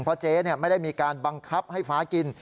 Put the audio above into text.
เพราะเจ๊ไม่ได้มีการบังคับให้ฟ้ากิน